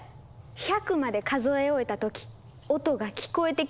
１００まで数え終えた時音が聞こえてきます。